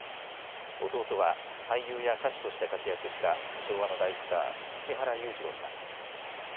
弟は俳優や歌手として活躍した昭和の大スター、石原裕次郎さん。